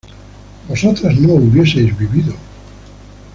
vosotras no hubieseis vivido